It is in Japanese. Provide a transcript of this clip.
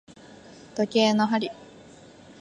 時計の針